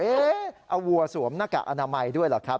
เอาวัวสวมหน้ากากอนามัยด้วยเหรอครับ